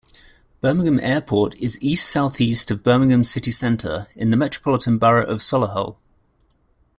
Birmingham Airport is east-south-east of Birmingham city centre, in the Metropolitan Borough of Solihull.